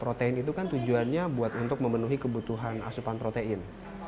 protein itu kan tujuannya buat untuk memenuhi kebutuhan asupan protein